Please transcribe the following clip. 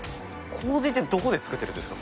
糀ってどこで作ってるんですか？